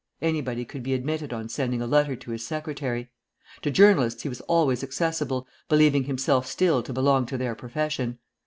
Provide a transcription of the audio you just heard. Anybody could be admitted on sending a letter to his secretary. To journalists he was always accessible, believing himself still to belong to their profession.